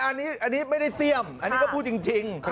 อันนี้ไม่ได้เสี่ยมอันนี้ก็พูดจริง